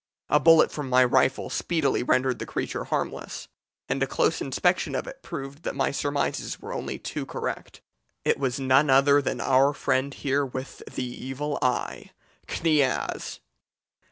A bullet from my rifle speedily rendered the creature harmless, and a close inspection of it proved that my surmises were only too correct. It was none other than our friend here with the evil eye Kniaz!'